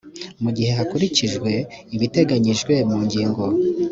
mu gihe hakurikijwe ibiteganyijwe mu ngingo